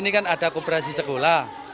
ini kan ada kooperasi sekolah